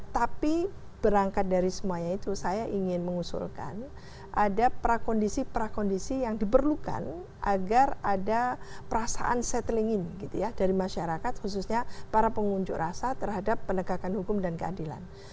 tapi berangkat dari semuanya itu saya ingin mengusulkan ada prakondisi prakondisi yang diperlukan agar ada perasaan settling in gitu ya dari masyarakat khususnya para pengunjuk rasa terhadap penegakan hukum dan keadilan